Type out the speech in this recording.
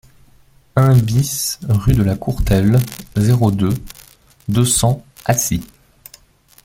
un BIS rue de la Croutelle, zéro deux, deux cents, Acy